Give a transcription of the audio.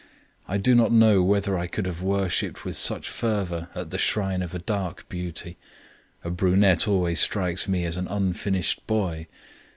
I do not know whether I could have worshiped with such fervor at the shrine of a dark beauty; a brunette always strikes me as an unfinished boy.